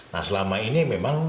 nah selama ini memang